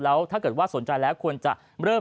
แล้วถ้าเกิดว่าสนใจแล้วควรจะเริ่ม